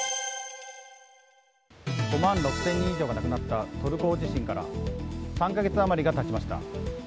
５万６０００人以上が亡くなったトルコ大地震から３か月余りが経ちました。